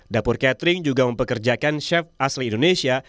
dapur catering juga mempekerjakan chef asli indonesia